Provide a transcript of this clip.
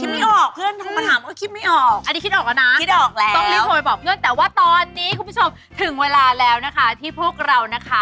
มีปาร์ตี้อย่างนั้นแต่เด็กลูกหลาน